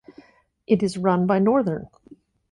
It is run by Northern.